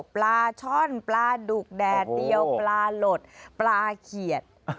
ปลาช่อนปลาดุกแดดเดียวปลาหลดปลาเขียด